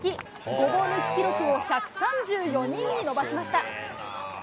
ごぼう抜き記録を１３４人に伸ばしました。